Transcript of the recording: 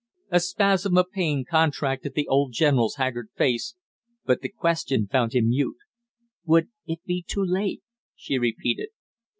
A spasm of pain contracted the old general's haggard face, but the question found him mute. "Would it be too late?" she repeated.